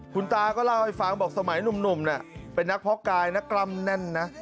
คุณตาก็เล่าให้ฟังบอกสมัยหนุ่มเป็นนักเพาะกายนะกล้ำแน่นนะ